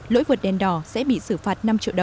lỗi vượt đèn đỏ sẽ bị xử phạt